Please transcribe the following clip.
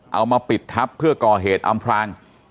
เอามาปิดทับเพื่อก่อเหตุอำพราง